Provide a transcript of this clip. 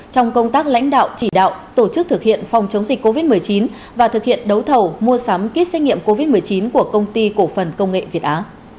trong công tác lãnh đạo chỉ đạo tổ chức thực hiện phòng chống dịch covid một mươi chín và thực hiện đấu thầu mua sắm kit xét nghiệm covid một mươi chín của công ty cổ phần công nghệ việt á